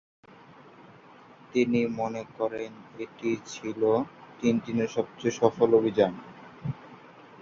তিনি আরো মনে করেন যে, এটিই ছিল 'টিনটিনের সবচেয়ে সফল অভিযান'।